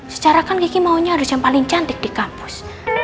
secara kan kiki maunya harus yang paling cantik di kampus